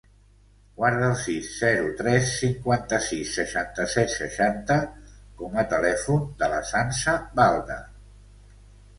Guarda el sis, zero, tres, cinquanta-sis, seixanta-set, seixanta com a telèfon de la Sança Balda.